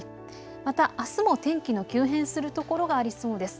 またあすも天気の急変するところがありそうです。